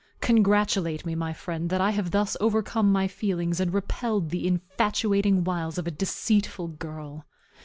Congratulate me, my friend, that I have thus overcome my feelings, and repelled the infatuating wiles of a deceitful girl.